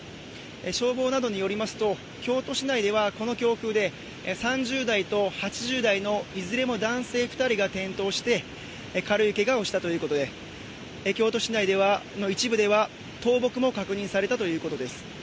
消防などによりますと京都市内では強風で３０代と８０代のいずれも男性２人が転倒して軽いけがをしたということで京都市内の一部では倒木も確認されたということです。